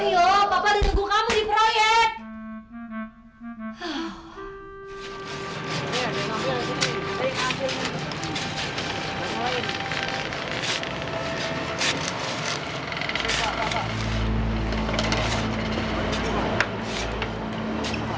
ayo papa udah nunggu kamu di proyek